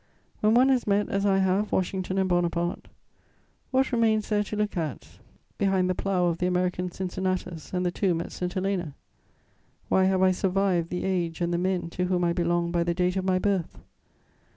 When one has met, as I have, Washington and Bonaparte, what remains there to look at behind the plough of the American Cincinnatus and the tomb at St Helena? Why have I survived the age and the men to whom I belonged by the date of my birth?